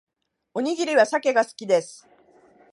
おにぎりはサケが好きです